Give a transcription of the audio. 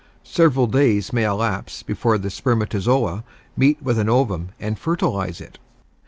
Several days may elapse before the spermatozoa meet with an ovum and fertilize it.